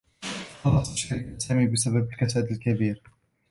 تقلّصت شركة سامي بسبب الكساد الكبير.